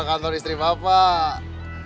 kantor istri bapak